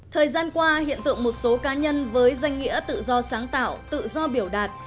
thời gian qua hiện tượng một số cá nhân với danh nghĩa tự do sáng tạo tự do biểu đạt